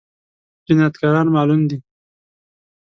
جنايتکاران معلوم دي؟